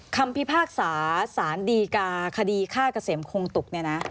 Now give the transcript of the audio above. คำพิพากษาสารดีกาคดีฆ่าเกษมคงตุกเนี่ยนะ